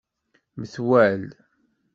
Metwal.